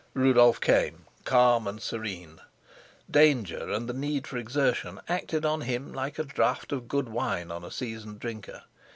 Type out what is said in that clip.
Rudolf came, calm and serene. Danger and the need for exertion acted on him like a draught of good wine on a seasoned drinker.